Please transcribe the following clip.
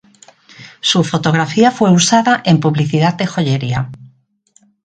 Su fotografía fue usada en publicidad de joyería.